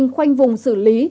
khoanh vùng xử lý